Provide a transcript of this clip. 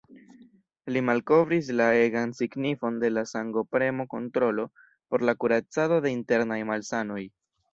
Li malkovris la egan signifon de la sangopremo-kontrolo por la kuracado de internaj malsanoj.